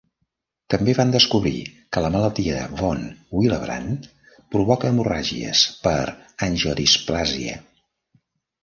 També van descobrir que la malaltia de von Willebrand provoca hemorràgies per angiodisplàsia.